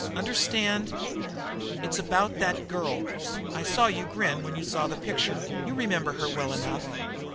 Understand? It's about that girl. I saw you grin when you saw the picture; you remember her well enough.